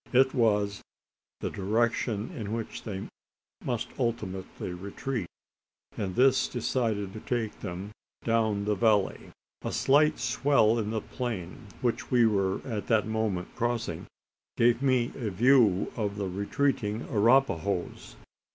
It was the direction in which they must ultimately retreat; and this decided them to take down the valley. A slight swell in the plain, which we were at that moment crossing, gave me a view of the retreating Arapahoes.